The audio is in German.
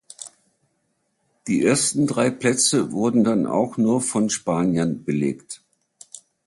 Die ersten drei Plätze wurden dann auch nur von Spaniern belegt.